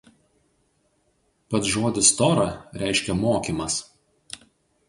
Pats žodis "Tora" reiškia "mokymas".